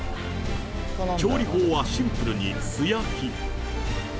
調理法はシンプルに素焼き。